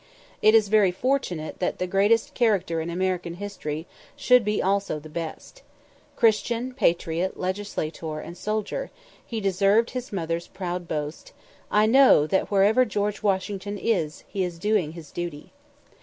It is very fortunate that the greatest character in American history should be also the best. Christian, patriot, legislator, and soldier, he deserved his mother's proud boast, "I know that wherever George Washington is, he is doing his duty."